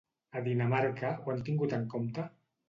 A Dinamarca ho han tingut en compte?